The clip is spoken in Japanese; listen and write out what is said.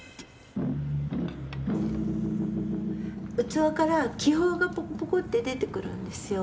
器から気泡がポコポコって出てくるんですよ。